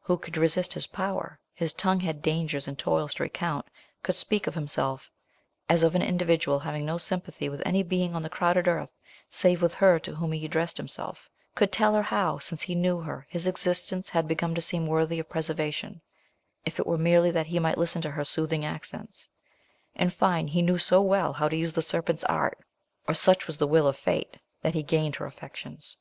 Who could resist his power? His tongue had dangers and toils to recount could speak of himself as of an individual having no sympathy with any being on the crowded earth, save with her to whom he addressed himself; could tell how, since he knew her, his existence, had begun to seem worthy of preservation, if it were merely that he might listen to her soothing accents; in fine, he knew so well how to use the serpent's art, or such was the will of fate, that he gained her affections.